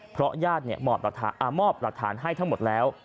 เพราะญาติมอบหลักฐานให้ทั้งหมดแล้ว